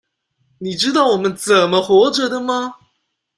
你知道我們怎麼活著的嗎？